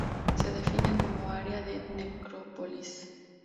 Se define como área de necrópolis.